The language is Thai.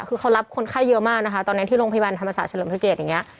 คือเขารับคนไข้เยอะมากนะคะตอนนั้นที่โรงพยาบาลธรรมศาสตเลิมพระเกียรติอย่างนี้